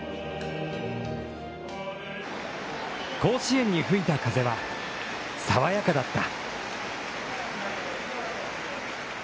甲子園に吹いた風は爽やかだった。